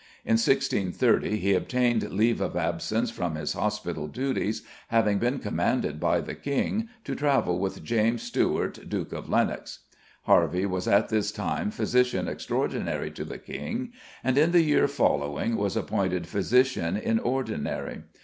In 1630 he obtained leave of absence from his hospital duties, having been commanded by the King to travel with James Stuart, Duke of Lenox. Harvey was at this time physician extraordinary to the King, and in the year following was appointed physician in ordinary.